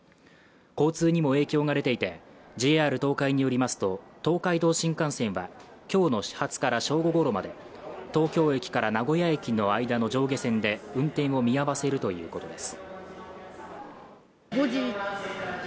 交通にも影響が出ていて、ＪＲ東海によりますと、東海道新幹線は、今日の始発から正午ごろまで東京駅から名古屋駅の間の上下線で運転を見合わせるということです。